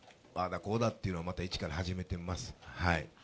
こうだっていうのを、また一から始めてます。